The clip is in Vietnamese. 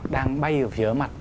đang bay ở phía mặt